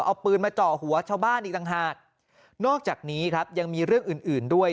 เอาปืนมาเจาะหัวชาวบ้านอีกต่างหากนอกจากนี้ครับยังมีเรื่องอื่นอื่นด้วย